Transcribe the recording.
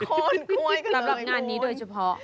คล้อนกล้วยกระโดยม้วงสำหรับงานนี้โดยเฉพาะ